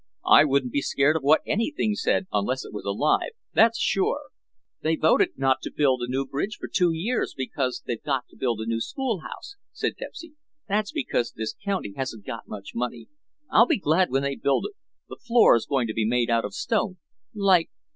I wouldn't be scared of what anything said unless it was alive, that's sure." "They voted not to build a new bridge for two years because they've got to build a new school house," said Pepsy. "That's because this county hasn't got much money. I'll be glad when they build it; the floor's going to be made out of stone, like."